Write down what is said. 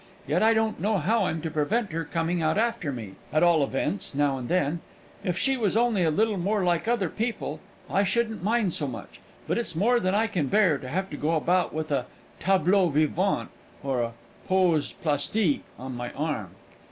Yet I don't know how I'm to prevent her coming out after me, at all events now and then. If she was only a little more like other people, I shouldn't mind so much; but it's more than I can bear to have to go about with a tablow vivant or a pose plastique on my arm!"